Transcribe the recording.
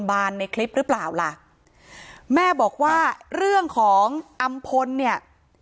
บานในคลิปหรือเปล่าล่ะแม่บอกว่าเรื่องของอำพลเนี่ย